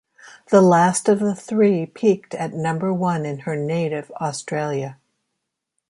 The last of the three peaked at number one in her native Australia.